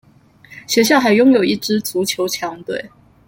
学校还拥有一支足球强队。